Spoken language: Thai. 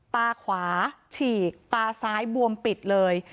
ตาขวาฉีกตาซ้ายบวมปิดเลย